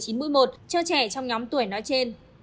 cho trẻ trong nhóm tuổi nói trên